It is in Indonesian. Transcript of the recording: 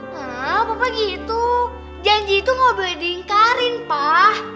hah papa gitu janji tuh nggak boleh dingkarin pak